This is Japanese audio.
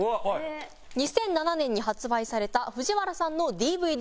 ２００７年に発売されたＦＵＪＩＷＡＲＡさんのＤＶＤ。